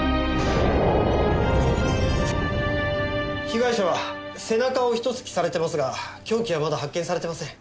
被害者は背中を一突きされてますが凶器はまだ発見されてません。